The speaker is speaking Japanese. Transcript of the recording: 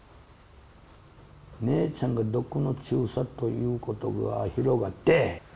姉ちゃんが毒の注射ということが広がって。